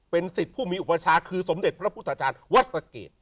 สิทธิ์ผู้มีอุปชาคือสมเด็จพระพุทธาจารย์วัดสะเกด